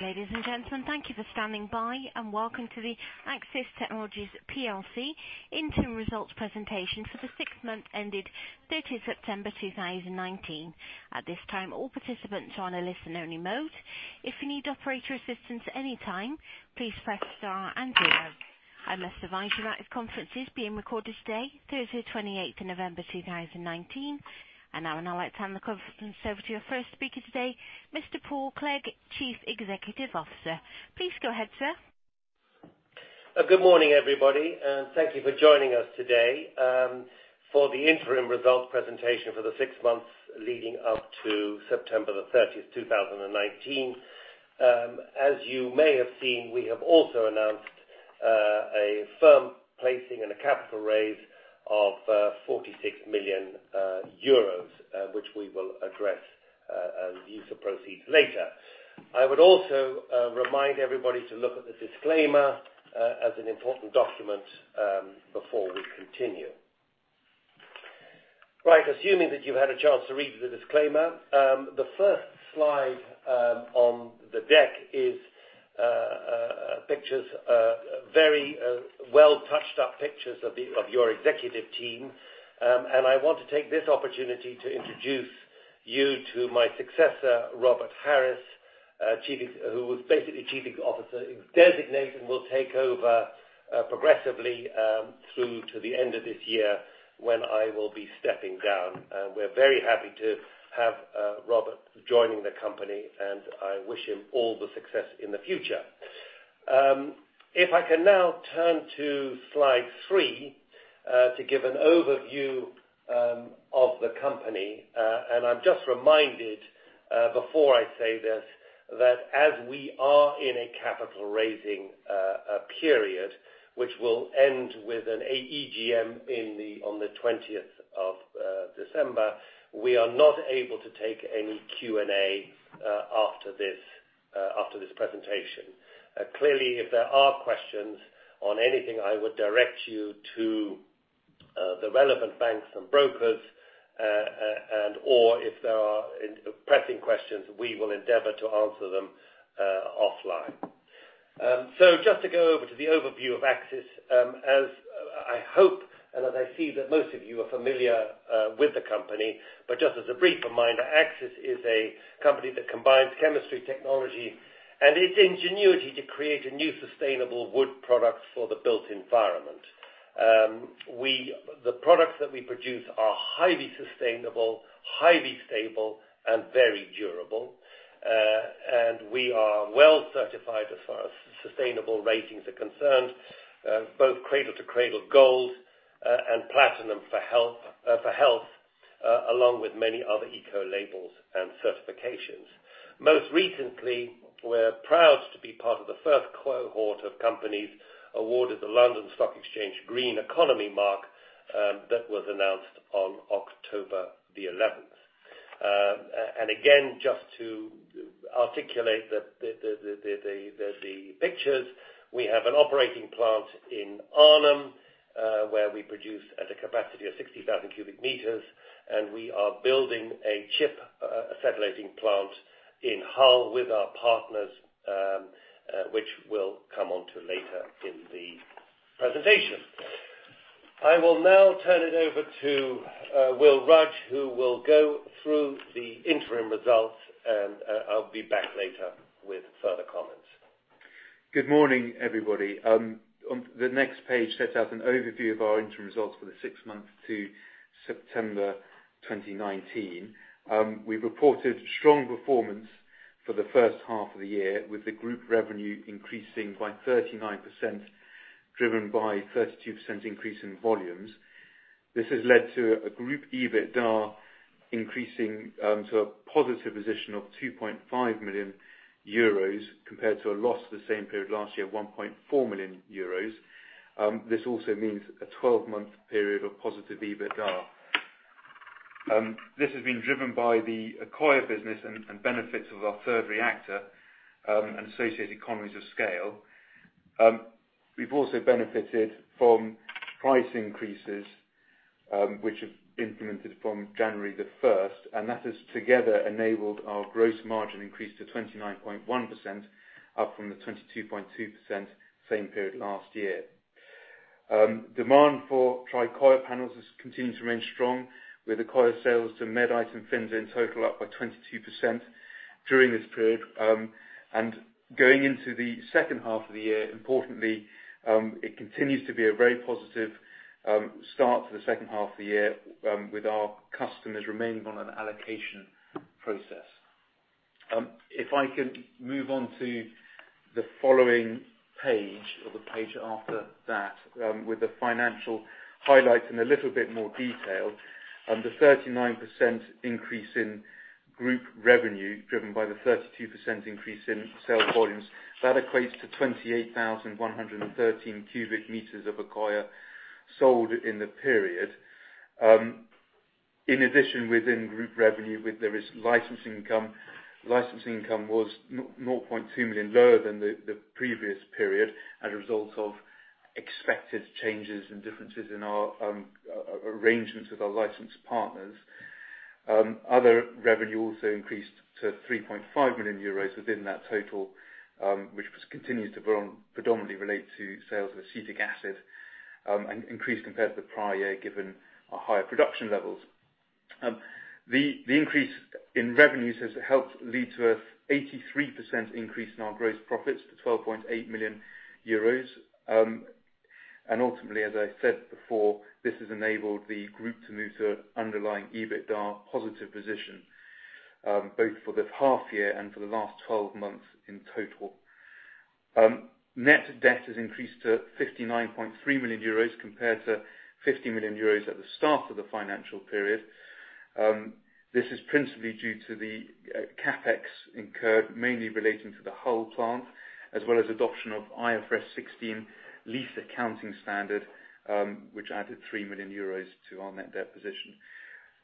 Ladies and gentlemen, thank you for standing by, and welcome to the Accsys Technologies PLC Interim Results Presentation for the six months ended 30 September 2019. At this time, all participants are on a listen-only mode. If you need operator assistance at any time, please press star and zero. I must advise you that this conference is being recorded today, Thursday 28th November 2019. I now hand the conference over to your first speaker today, Mr Paul Clegg, Chief Executive Officer. Please go ahead, sir. Good morning, everybody. Thank you for joining us today for the interim results presentation for the six months leading up to September the 30th, 2019. As you may have seen, we have also announced a firm placing and a capital raise of 46 million euros, which we will address as use of proceeds later. I would also remind everybody to look at the disclaimer as an important document before we continue. Right. Assuming that you've had a chance to read the disclaimer, the first slide on the deck is very well-touched-up pictures of your executive team. I want to take this opportunity to introduce you to my successor, Robert Harris, who was basically Chief Officer Designate, and will take over progressively, through to the end of this year, when I will be stepping down. We're very happy to have Robert joining the company, and I wish him all the success in the future. If I can now turn to slide three to give an overview of the company. I'm just reminded, before I say this, that as we are in a capital raising period, which will end with an AEGM on the 20th of December, we are not able to take any Q&A after this presentation. Clearly, if there are questions on anything, I would direct you to the relevant banks and brokers, or if there are pressing questions, we will endeavor to answer them offline. Just to go over to the overview of Accsys. As I hope, and as I see that most of you are familiar with the company, but just as a brief reminder, Accsys is a company that combines chemistry technology and its ingenuity to create a new sustainable wood product for the built environment. The products that we produce are highly sustainable, highly stable, and very durable. We are well certified as far as sustainable ratings are concerned, both Cradle to Cradle Gold and Platinum for health, along with many other eco labels and certifications. Most recently, we're proud to be part of the first cohort of companies awarded the London Stock Exchange Green Economy Mark that was announced on October the 11th. Again, just to articulate the pictures, we have an operating plant in Arnhem, where we produce at a capacity of 60,000 cubic meters, and we are building a chip acetylating plant in Hull with our partners, which we'll come onto later in the presentation. I will now turn it over to Will Rudge, who will go through the interim results, and I'll be back later with further comments. Good morning, everybody. The next page sets out an overview of our interim results for the six months to September 2019. We reported strong performance for the first half of the year, with the group revenue increasing by 39%, driven by 32% increase in volumes. This has led to a group EBITDA increasing to a positive position of 2.5 million euros compared to a loss the same period last year, 1.4 million euros. This also means a 12-month period of positive EBITDA. This has been driven by the Accoya business and benefits of our third reactor, and associated economies of scale. We've also benefited from price increases, which have implemented from January 1st, and that has together enabled our gross margin increase to 29.1%, up from the 22.2% same period last year. Demand for Tricoya panels has continued to remain strong, with Accoya sales to Medite and FINSA in total up by 22% during this period. Going into the second half of the year, importantly, it continues to be a very positive start to the second half of the year, with our customers remaining on an allocation process. If I can move on to the following page or the page after that with the financial highlights in a little bit more detail. The 39% increase in group revenue driven by the 32% increase in sales volumes, that equates to 28,113 cubic meters of Accoya sold in the period. In addition, within group revenue, there is licensing income. Licensing income was 0.2 million lower than the previous period as a result of expected changes and differences in our arrangements with our license partners. Other revenue also increased to 3.5 million euros within that total, which continues to predominantly relate to sales of acetic acid, increased compared to the prior year, given our higher production levels. The increase in revenues has helped lead to an 83% increase in our gross profits to 12.8 million euros. Ultimately, as I said before, this has enabled the group to move to underlying EBITDA positive position, both for the half year and for the last 12 months in total. Net debt has increased to 59.3 million euros compared to 50 million euros at the start of the financial period. This is principally due to the CapEx incurred mainly relating to the Hull plant, as well as adoption of IFRS 16 lease accounting standard, which added 3 million euros to our net debt position.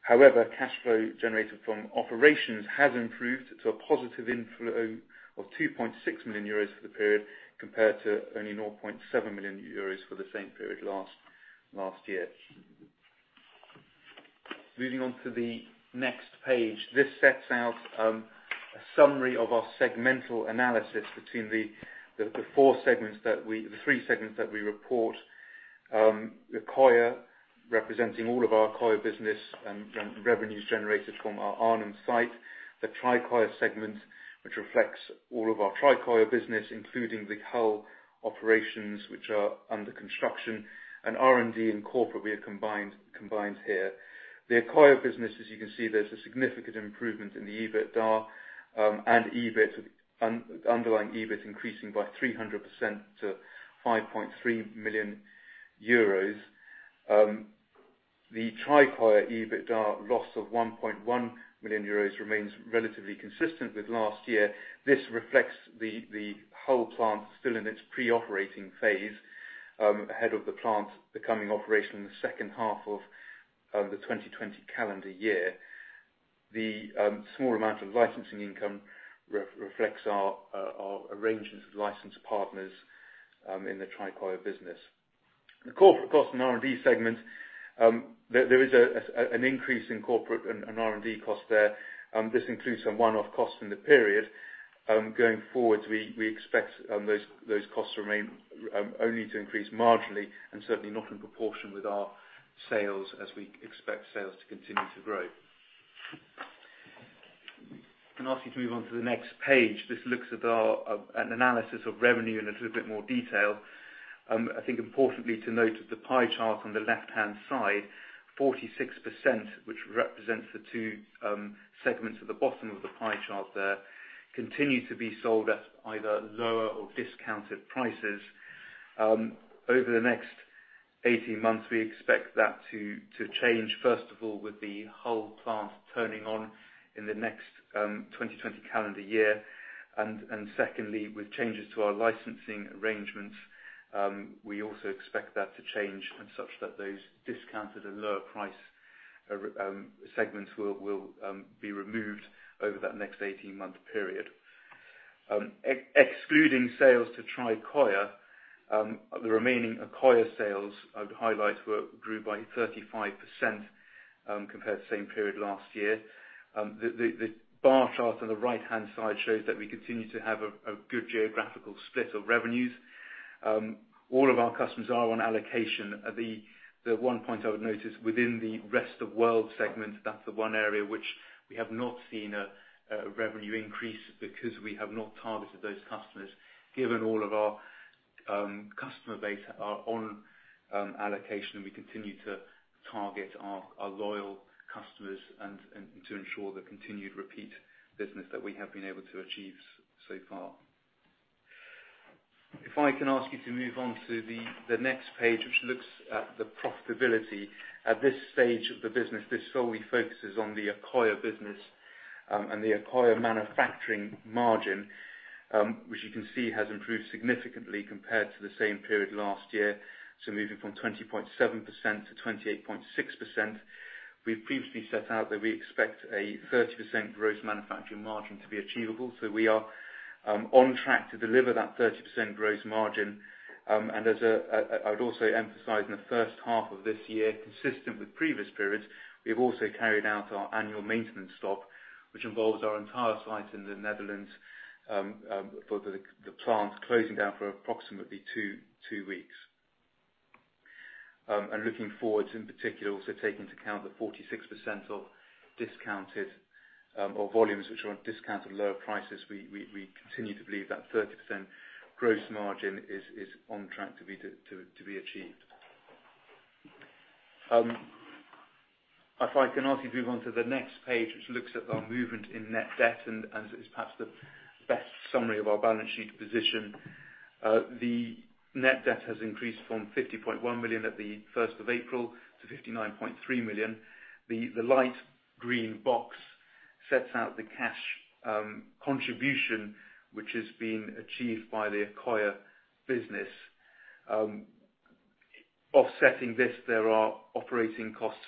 However, cash flow generated from operations has improved to a positive inflow of 2.6 million euros for the period, compared to only 0.7 million euros for the same period last year. Moving on to the next page. This sets out a summary of our segmental analysis between the three segments that we report. The Accoya, representing all of our Accoya business and revenues generated from our Arnhem site. The Tricoya segment, which reflects all of our Tricoya business, including the Hull operations which are under construction, and R&D and corporate we have combined here. The Accoya business, as you can see, there's a significant improvement in the EBITDA and underlying EBIT increasing by 300% to 5.3 million euros. The Tricoya EBITDA loss of 1.1 million euros remains relatively consistent with last year. This reflects the Hull plant still in its pre-operating phase, ahead of the plant becoming operational in the second half of the 2020 calendar year. The small amount of licensing income reflects our arrangements with license partners in the Tricoya business. The corporate cost and R&D segment, there is an increase in corporate and R&D cost there. This includes some one-off costs in the period. Going forward, we expect those costs only to increase marginally and certainly not in proportion with our sales as we expect sales to continue to grow. If I can ask you to move on to the next page. This looks at an analysis of revenue in a little bit more detail. I think importantly to note that the pie chart on the left-hand side, 46%, which represents the two segments at the bottom of the pie chart there, continue to be sold at either lower or discounted prices. Over the next 18 months, we expect that to change, first of all, with the Hull plant turning on in the next 2020 calendar year. Secondly, with changes to our licensing arrangements. We also expect that to change such that those discounted and lower price segments will be removed over that next 18-month period. Excluding sales to Tricoya, the remaining Accoya sales I would highlight grew by 35% compared to the same period last year. The bar chart on the right-hand side shows that we continue to have a good geographical split of revenues. All of our customers are on allocation. The one point I would notice within the rest of world segments, that's the one area which we have not seen a revenue increase because we have not targeted those customers. Given all of our customer base are on allocation, we continue to target our loyal customers and to ensure the continued repeat business that we have been able to achieve so far. If I can ask you to move on to the next page, which looks at the profitability. At this stage of the business, this solely focuses on the Accoya business and the Accoya manufacturing margin, which you can see has improved significantly compared to the same period last year. Moving from 20.7% to 28.6%. We've previously set out that we expect a 30% gross manufacturing margin to be achievable. We are on track to deliver that 30% gross margin. I would also emphasize in the first half of this year, consistent with previous periods, we have also carried out our annual maintenance stop, which involves our entire site in the Netherlands for the plant closing down for approximately 2 weeks. Looking forwards in particular, also taking into account the 46% of volumes which are on discounted lower prices, we continue to believe that 30% gross margin is on track to be achieved. If I can ask you to move on to the next page, which looks at our movement in net debt, and is perhaps the best summary of our balance sheet position. The net debt has increased from 50.1 million at the 1st of April to 59.3 million. The light green box sets out the cash contribution, which has been achieved by the Accoya business. Offsetting this, there are operating costs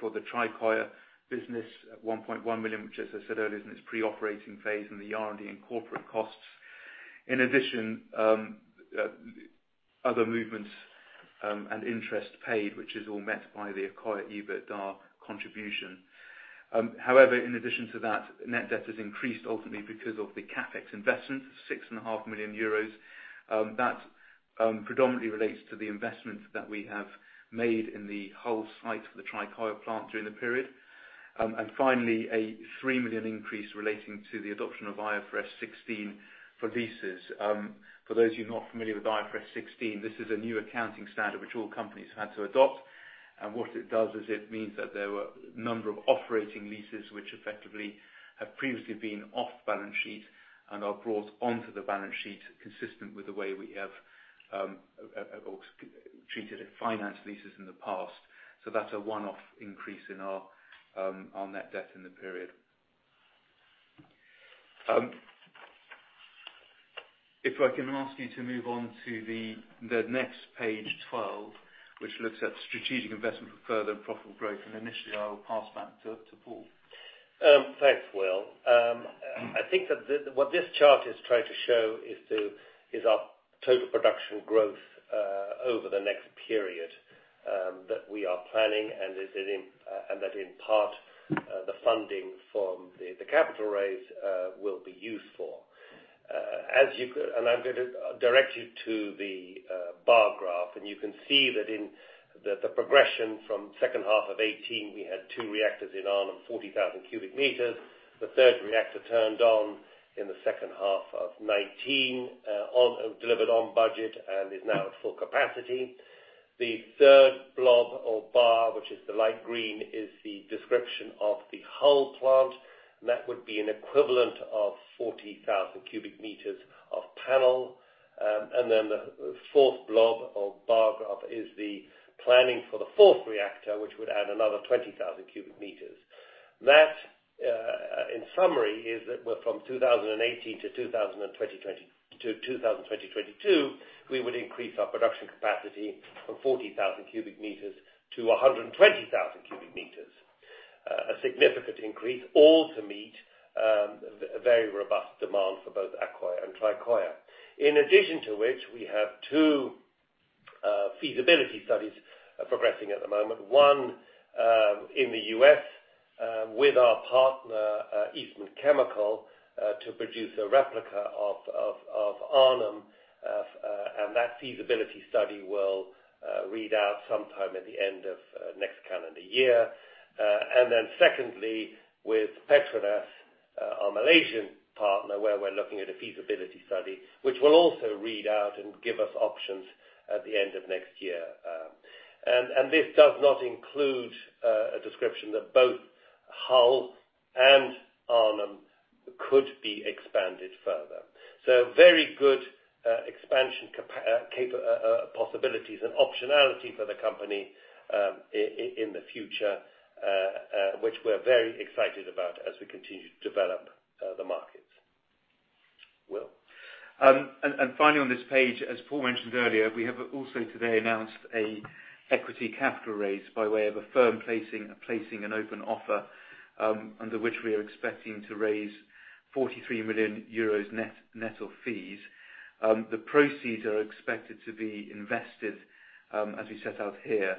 for the Tricoya business at 1.1 million, which as I said earlier, is in its pre-operating phase, and the R&D and corporate costs. Other movements and interest paid, which is all met by the Accoya EBITDA contribution. In addition to that, net debt has increased ultimately because of the CapEx investments, 6.5 million euros. That predominantly relates to the investment that we have made in the Hull site for the Tricoya plant during the period. Finally, a 3 million increase relating to the adoption of IFRS 16 for leases. For those of you not familiar with IFRS 16, this is a new accounting standard which all companies had to adopt. What it does is it means that there were a number of operating leases which effectively had previously been off balance sheet and are brought onto the balance sheet consistent with the way we have treated finance leases in the past. That's a one-off increase in our net debt in the period. If I can ask you to move on to the next page 12, which looks at strategic investment for further profitable growth, initially I will pass back to Paul. Thanks, Will. I think that what this chart is trying to show is our total production growth over the next period that we are planning and that in part, the funding from the capital raise will be used for. I'm going to direct you to the bar graph, and you can see that the progression from the second half of 2018, we had two reactors in Arnhem, 40,000 cubic meters. The third reactor turned on in the second half of 2019, delivered on budget, and is now at full capacity. The third blob or bar, which is the light green, is the description of the Hull plant, and that would be an equivalent of 40,000 cubic meters of panel. The fourth blob or bar graph is the planning for the fourth reactor, which would add another 20,000 cubic meters. That, in summary, is that from 2018 to 2022, we would increase our production capacity from 40,000 cubic meters to 120,000 cubic meters. A significant increase, all to meet a very robust demand for both Accoya and Tricoya. In addition to which, we have two feasibility studies progressing at the moment, one in the U.S. with our partner, Eastman Chemical, to produce a replica of Arnhem, and that feasibility study will read out sometime at the end of next calendar year. Secondly, with Petronas, our Malaysian partner, where we're looking at a feasibility study, which will also read out and give us options at the end of next year. This does not include a description that both Hull and Arnhem could be expanded further. Very good expansion possibilities and optionality for the company in the future, which we're very excited about as we continue to develop the markets. Will? Finally on this page, as Paul mentioned earlier, we have also today announced an equity capital raise by way of a firm placing, a placing and open offer under which we are expecting to raise 43 million euros net of fees. The proceeds are expected to be invested, as we set out here,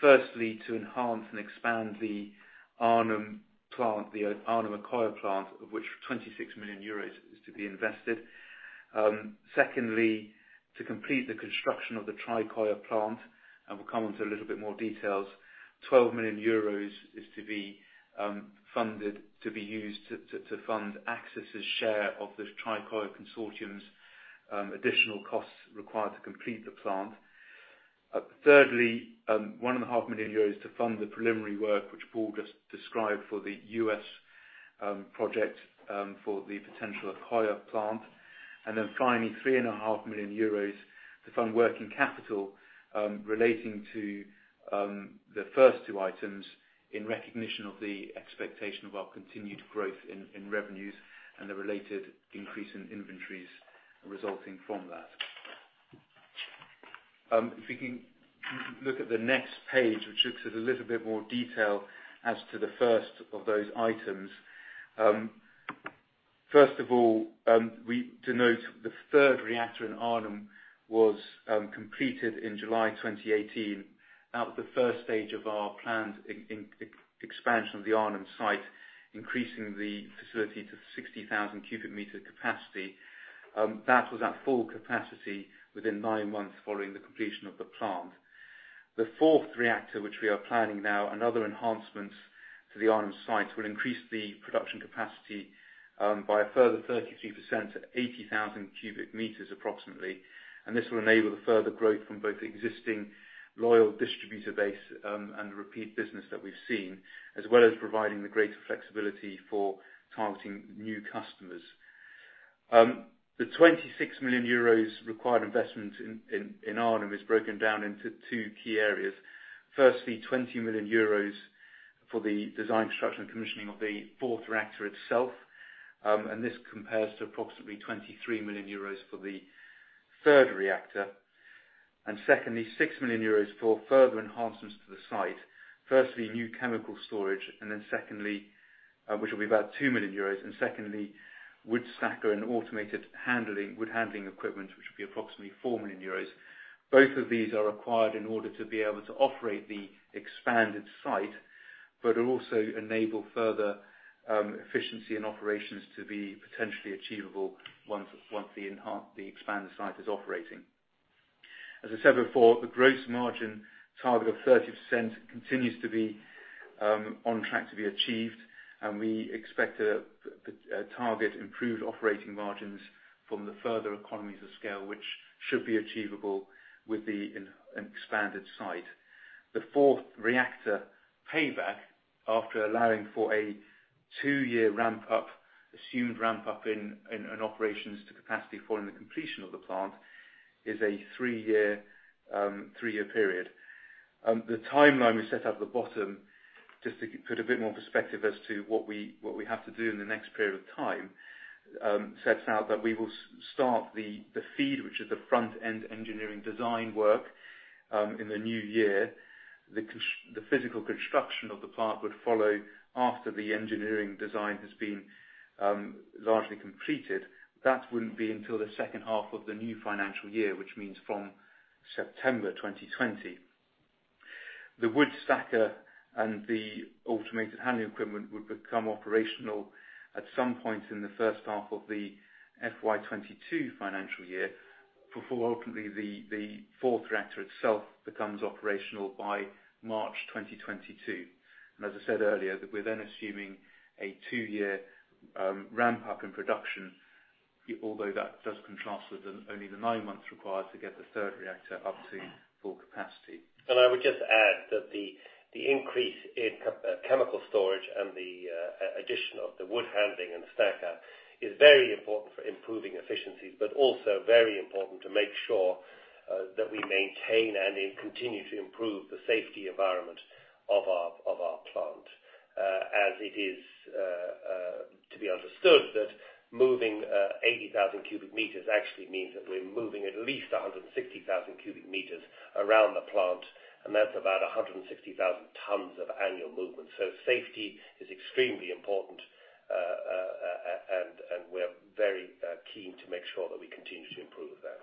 firstly, to enhance and expand the Arnhem Accoya plant, of which 26 million euros is to be invested. Secondly, to complete the construction of the Tricoya plant, and we'll come onto a little bit more details, 12 million euros is to be used to fund Accsys's share of the Tricoya consortium's additional costs required to complete the plant. Thirdly, 1.5 million euros to fund the preliminary work which Paul just described for the U.S. project, for the potential Accoya plant. Then finally, 3.5 million euros to fund working capital relating to the first two items in recognition of the expectation of our continued growth in revenues and the related increase in inventories resulting from that. We can look at the next page, which looks at a little bit more detail as to the first of those items. First of all, we denote the third reactor in Arnhem was completed in July 2018. That was the first stage of our planned expansion of the Arnhem site, increasing the facility to 60,000 cubic meter capacity. That was at full capacity within nine months following the completion of the plant. The fourth reactor, which we are planning now, and other enhancements to the Arnhem site, will increase the production capacity by a further 33% to 80,000 cubic meters approximately. This will enable the further growth from both the existing loyal distributor base and the repeat business that we've seen, as well as providing the greater flexibility for targeting new customers. The 26 million euros required investment in Arnhem is broken down into two key areas. Firstly, 20 million euros for the design, construction, and commissioning of the fourth reactor itself. This compares to approximately 23 million euros for the third reactor. Secondly, 6 million euros for further enhancements to the site. Firstly, new chemical storage, which will be about 2 million euros. Secondly, wood stacker and automated wood handling equipment, which will be approximately 4 million euros. Both of these are required in order to be able to operate the expanded site, but will also enable further efficiency and operations to be potentially achievable once the expanded site is operating. As I said before, the gross margin target of 30% continues to be on track to be achieved. We expect to target improved operating margins from the further economies of scale, which should be achievable with the expanded site. The fourth reactor payback, after allowing for a two-year assumed ramp-up in operations to capacity following the completion of the plant, is a three-year period. The timeline we set at the bottom, just to put a bit more perspective as to what we have to do in the next period of time, sets out that we will start the FEED, which is the front-end engineering design work, in the new year. The physical construction of the plant would follow after the engineering design has been largely completed. That wouldn't be until the second half of the new financial year, which means from September 2020. The wood stacker and the automated handling equipment would become operational at some point in the first half of the FY 2022 financial year, before ultimately the fourth reactor itself becomes operational by March 2022. As I said earlier, that we're then assuming a two-year ramp-up in production, although that does contrast with only the nine months required to get the third reactor up to full capacity. I would just add that the increase in chemical storage and the addition of the wood handling and the stacker is very important for improving efficiencies, but also very important to make sure that we maintain and continue to improve the safety environment of our plant. As it is to be understood that moving 80,000 cubic meters actually means that we're moving at least 160,000 cubic meters around the plant, and that's about 160,000 tons of annual movement. Safety is extremely important, and we're very keen to make sure that we continue to improve that.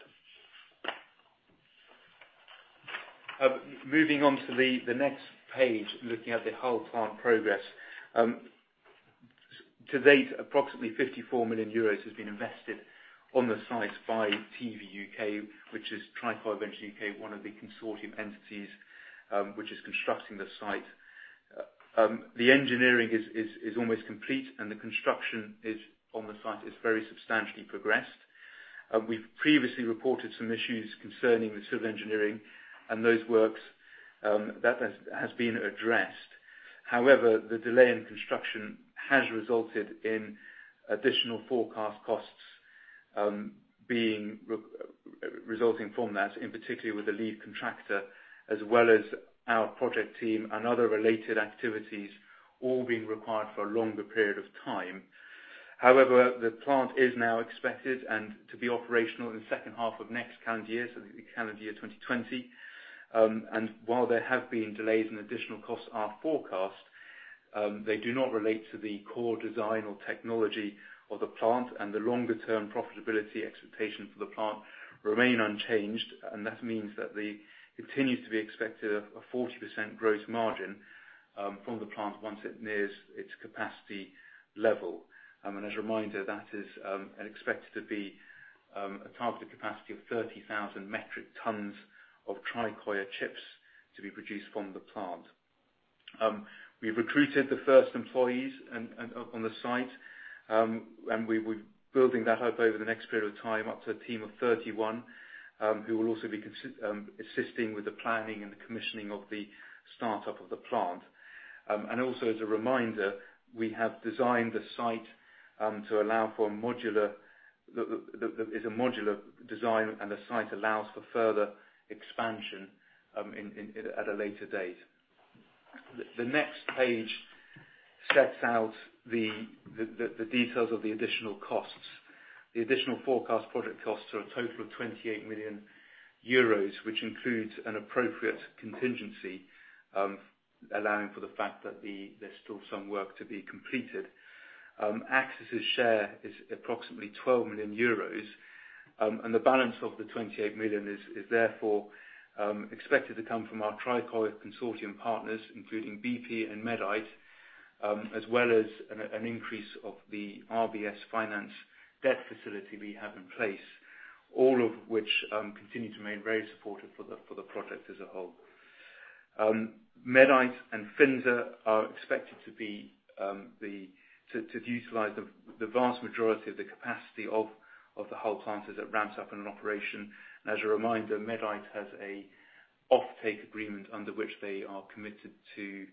Moving on to the next page, looking at the whole plant progress. To date, approximately 54 million euros has been invested on the site by TVUK, which is Tricoya Ventures UK, one of the consortium entities which is constructing the site. The engineering is almost complete. The construction on the site is very substantially progressed. We've previously reported some issues concerning the civil engineering and those works. That has been addressed. However, the delay in construction has resulted in additional forecast costs resulting from that, in particular with the lead contractor as well as our project team and other related activities all being required for a longer period of time. However, the plant is now expected to be operational in the second half of next calendar year, so the calendar year 2020. While there have been delays and additional costs are forecast, they do not relate to the core design or technology of the plant and the longer term profitability expectation for the plant remain unchanged, and that means that it continues to be expected a 40% gross margin from the plant once it nears its capacity level. As a reminder, that is expected to be a targeted capacity of 30,000 metric tons of Tricoya chips to be produced from the plant. We've recruited the first employees on the site, and we're building that up over the next period of time up to a team of 31, who will also be assisting with the planning and the commissioning of the startup of the plant. Also as a reminder, we have designed the site to allow for a modular design, and the site allows for further expansion at a later date. The next page sets out the details of the additional costs. The additional forecast project costs are a total of 28 million euros, which includes an appropriate contingency, allowing for the fact that there's still some work to be completed. Accsys' share is approximately 12 million euros, the balance of the 28 million is therefore expected to come from our Tricoya consortium partners, including BP and Medite, as well as an increase of the RBS finance debt facility we have in place, all of which continue to remain very supportive for the project as a whole. Medite and FINSA are expected to utilize the vast majority of the capacity of the Hull plant as it ramps up in operation. As a reminder, Medite has an offtake agreement under which they are committed to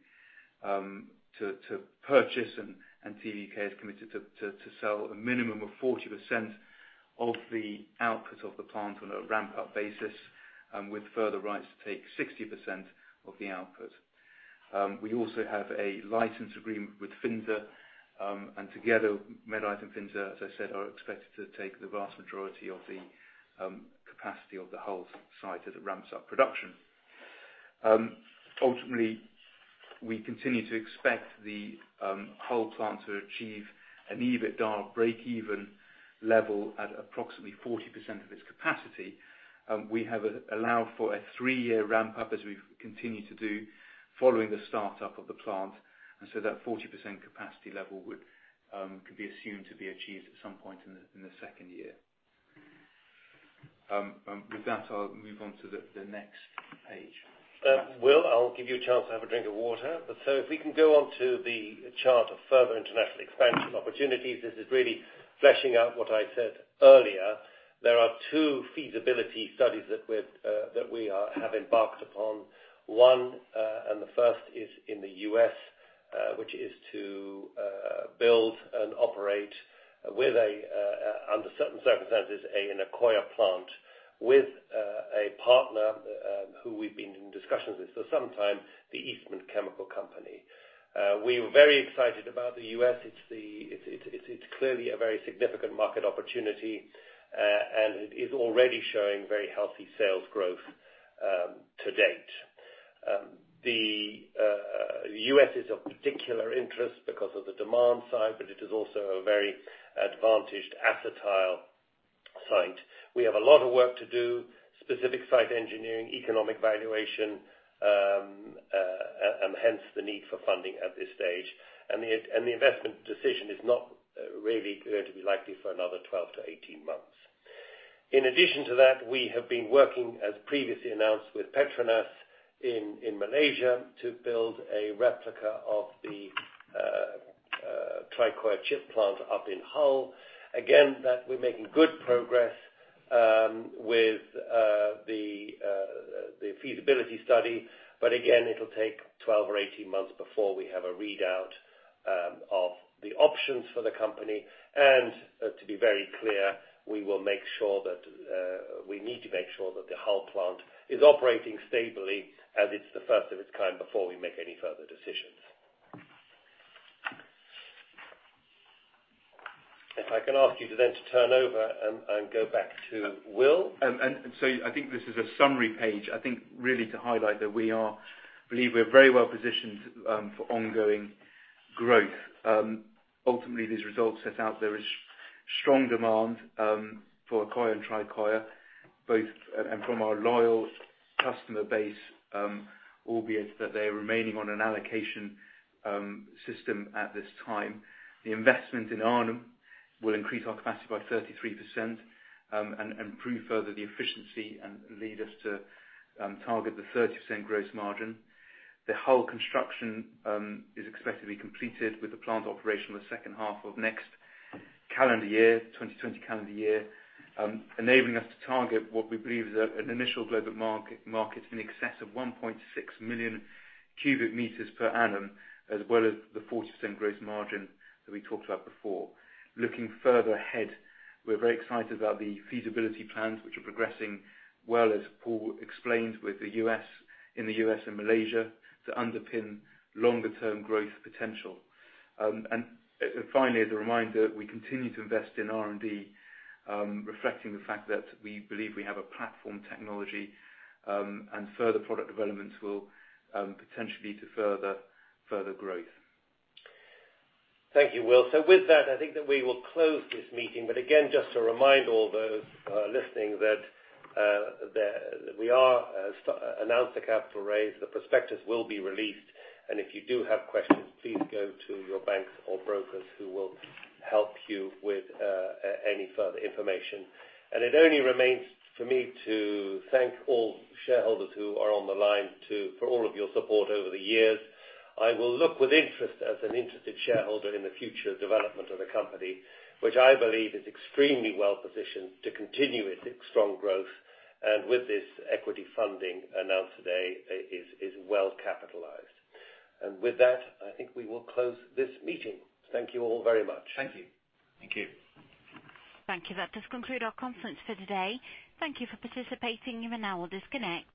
purchase and TVUK is committed to sell a minimum of 40% of the output of the plant on a ramp-up basis, with further rights to take 60% of the output. We also have a license agreement with FINSA and together, Medite and FINSA, as I said, are expected to take the vast majority of the capacity of the Hull site as it ramps up production. Ultimately, we continue to expect the Hull plant to achieve an EBITDA break-even level at approximately 40% of its capacity. We have allowed for a three-year ramp-up as we've continued to do following the start-up of the plant, that 40% capacity level could be assumed to be achieved at some point in the second year. With that, I'll move on to the next page. Will, I'll give you a chance to have a drink of water. If we can go on to the chart of further international expansion opportunities, this is really fleshing out what I said earlier. There are two feasibility studies that we have embarked upon. One, and the first, is in the U.S., which is to build and operate, under certain circumstances, an Accoya plant with a partner who we've been in discussions with for some time, the Eastman Chemical Company. We're very excited about the U.S. It's clearly a very significant market opportunity, and it is already showing very healthy sales growth to date. The U.S. is of particular interest because of the demand side, but it is also a very advantaged acetyl site. We have a lot of work to do, specific site engineering, economic valuation, and hence the need for funding at this stage. The investment decision is not really going to be likely for another 12 to 18 months. In addition to that, we have been working, as previously announced, with Petronas in Malaysia to build a replica of the Tricoya chip plant up in Hull. Again, that we're making good progress with the feasibility study. Again, it'll take 12 or 18 months before we have a readout of the options for the company and, to be very clear, we need to make sure that the whole plant is operating stably as it's the first of its kind before we make any further decisions. If I can ask you to then turn over and go back to Will. I think this is a summary page. I think really to highlight that we believe we're very well positioned for ongoing growth. Ultimately, these results set out there is strong demand for Accoya and Tricoya, both and from our loyal customer base, albeit that they're remaining on an allocation system at this time. The investment in Arnhem will increase our capacity by 33% and improve further the efficiency and lead us to target the 30% gross margin. The whole construction is expected to be completed with the plant operation the second half of next calendar year, 2020 calendar year, enabling us to target what we believe is an initial global market in excess of 1.6 million cubic meters per annum, as well as the 40% gross margin that we talked about before. Looking further ahead, we're very excited about the feasibility plans, which are progressing well, as Paul explained, in the U.S. and Malaysia to underpin longer term growth potential. Finally, as a reminder, we continue to invest in R&D, reflecting the fact that we believe we have a platform technology, and further product developments will potentially lead to further growth. Thank you, Will. With that, I think that we will close this meeting. Again, just to remind all those listening that we are announced the capital raise, the prospectus will be released, and if you do have questions, please go to your banks or brokers who will help you with any further information. It only remains for me to thank all shareholders who are on the line for all of your support over the years. I will look with interest as an interested shareholder in the future development of the company, which I believe is extremely well-positioned to continue its strong growth and with this equity funding announced today is well capitalized. With that, I think we will close this meeting. Thank you all very much. Thank you. Thank you. Thank you. That does conclude our conference for today. Thank you for participating. You may now disconnect.